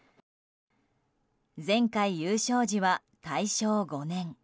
前回優勝時は大正５年。